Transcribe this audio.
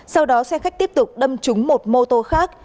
sau đó xe khách tiếp tục đâm trúng một mô tô khác